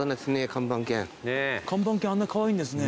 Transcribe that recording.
看板犬あんなカワイイんですね。